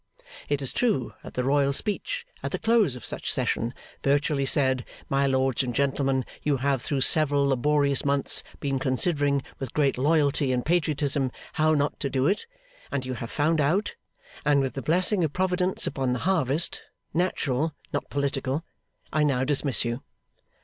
It is true that the royal speech, at the close of such session, virtually said, My lords and gentlemen, you have through several laborious months been considering with great loyalty and patriotism, How not to do it, and you have found out; and with the blessing of Providence upon the harvest (natural, not political), I now dismiss you.